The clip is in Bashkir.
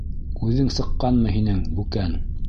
Күҙең сыҡҡанмы һинең, бүкән?!